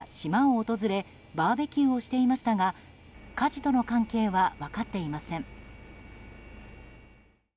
昨日昼ごろから県外の学生３５人が島を訪れバーベキューをしていましたが火事との関係は分かっていません。